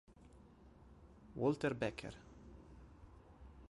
Walter Becker